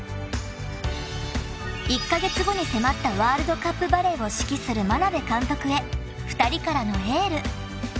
［１カ月後に迫ったワールドカップバレーを指揮する眞鍋監督へ２人からのエール］